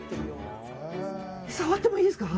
触ってもいいですか？